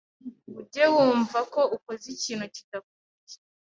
ngo ujye wumva ko ukoze ikintu kidakwiye